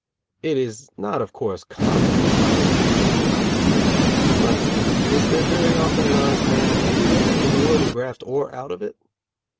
It is not of course common, to find a thief who is an honest man; but is there very often an honest man anywhere, in the world of graft or out of it?